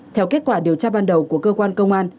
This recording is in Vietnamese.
theo kết quả điều tra ban đầu của cơ quan công an